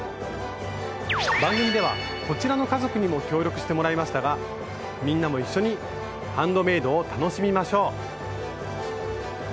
番組ではこちらの家族にも協力してもらいましたがみんなも一緒に「ハンドメイド」を楽しみましょう！